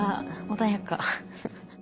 穏やか。